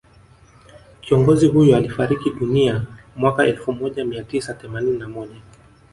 Kiongozi huyo alifariki dunia mwaka elfu moja mia tisa themanini na moja